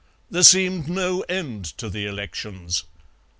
There seemed no end to the elections.